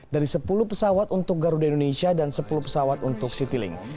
dari sepuluh pesawat untuk garuda indonesia dan sepuluh pesawat untuk citylink